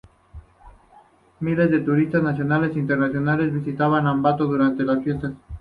Miles de turistas nacionales e internacionales visitan Ambato durante las fiestas.